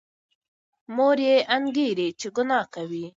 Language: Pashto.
مور یې انګېري چې ګناه کوي.